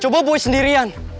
coba buat sendirian